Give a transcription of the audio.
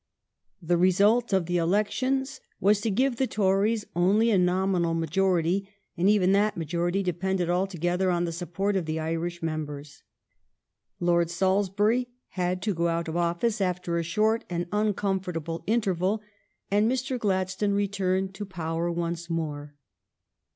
The result of the elec tions was to give the Tories only a nominal major ity, and even that majority depended altogether on the support of the Irish members. Lord Salisbury had to go out of office after a very short and un comfortable interval, and Mr. Gladstone returned to power once more.